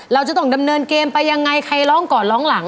เราจะต้องดำเนินเกมไปยังไงใครร้องก่อนร้องหลัง